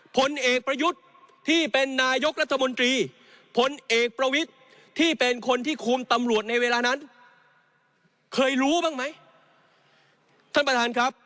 ผลเอกประยุทธ์ที่เป็นนายกรัฐมนตรีผลเอกประวิทธิ์ที่เป็นคนที่คุมตำรวจในเวลานั้น